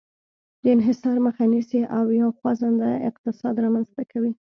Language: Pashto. د انحصار مخه نیسي او یو خوځنده اقتصاد رامنځته کوي.